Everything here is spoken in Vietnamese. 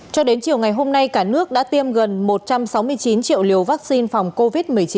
cho đến chiều ngày hôm nay cả nước đã tiêm gần một trăm sáu mươi chín triệu liều vaccine phòng covid một mươi chín